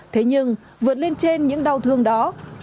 thế nhưng vượt lên trên những đau thương mất mát ở xa ná là không thể đong đếm